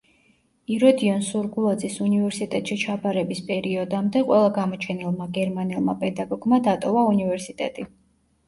იროდიონ სურგულაძის უნივერსიტეტში ჩაბარების პერიოდამდე ყველა გამოჩენილმა გერმანელმა პედაგოგმა დატოვა უნივერსიტეტი.